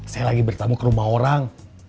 saya lagi bertemu ke rumah orang